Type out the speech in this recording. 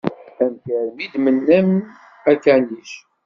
Amek armi i d-tmennam akanic?